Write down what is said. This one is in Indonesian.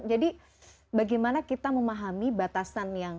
jadi bagaimana kita memahami batasan yang oke